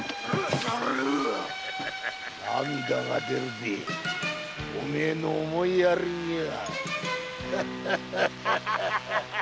涙が出るぜお前の思いやりには。